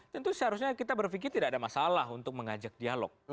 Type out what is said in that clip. tentu seharusnya kita berpikir tidak ada masalah untuk mengajak dialog